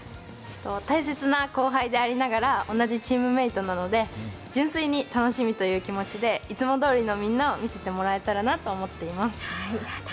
大切な後輩でありながら同じチームメイトなので純粋に楽しむという気持ちでいつもどおりのみんなを見せてもらえたらなと思っています。